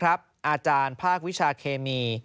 อาจารย์ภาควิชาเคมี